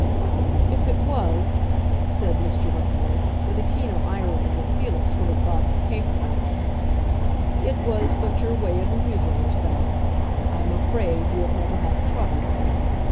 "If it was," said Mr. Wentworth, with a keener irony than Felix would have thought him capable of, "it was but your way of amusing yourself. I am afraid you have never had a trouble."